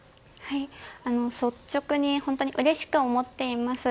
率直に本当にうれしく思っています。